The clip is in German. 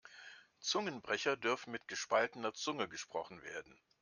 Zungenbrecher dürfen mit gespaltener Zunge gesprochen werden.